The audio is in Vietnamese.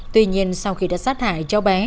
tuy nhiên sau khi đã sát hại cho bé